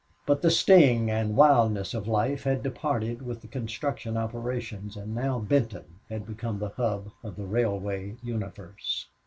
But the sting and wildness of life had departed with the construction operations, and now Benton had become the hub of the railway universe.